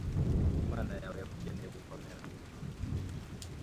Imana yawe yakugeneye gukomera